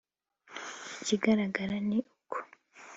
Ikigaragara ni uko